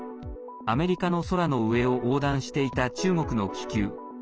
アメリカの空の上を横断していた中国の気球。